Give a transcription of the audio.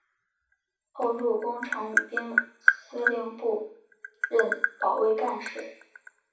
后入工程兵司令部任保卫干事。